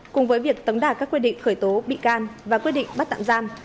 cùng với việc tống đạt các quyết định khởi tố bị can và quyết định bắt tạm giam